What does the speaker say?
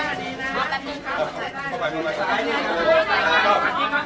อันนั้นจะเป็นภูมิแบบเมื่อ